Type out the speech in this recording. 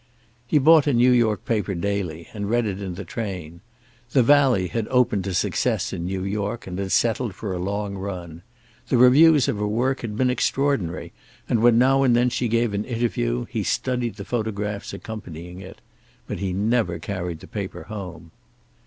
He bought a New York paper daily, and read it in the train. "The Valley" had opened to success in New York, and had settled for a long run. The reviews of her work had been extraordinary, and when now and then she gave an interview he studied the photographs accompanying it. But he never carried the paper home.